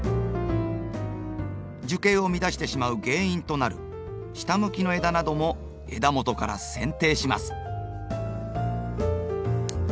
樹形を乱してしまう原因となる下向きの枝なども枝元からせん定します。